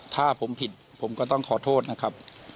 ถ้าผมผิดผมก็ต้องขอโทษนะครับ